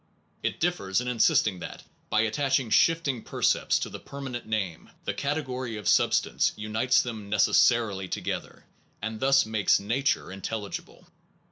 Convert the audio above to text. It differs in insist ing that, by attaching shifting percepts to the permanent name, the category of substance unites them necessarily together, and thus makes nature intelligible.